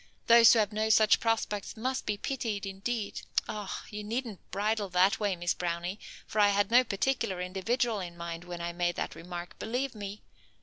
Those who have no such prospects are to be pitied indeed. Ah! you needn't bridle that way, Miss Brownie, for I had no particular individual in mind when I made that remark, believe me.